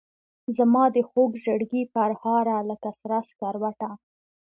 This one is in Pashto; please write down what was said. زمادخوږزړګي پرهاره لکه سره سکروټه